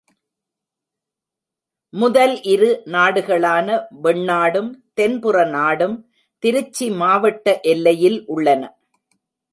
முதல் இரு நாடுகளான வெண்ணாடும், தென்புற நாடும் திருச்சி மாவட்ட எல்லையில் உள்ளன.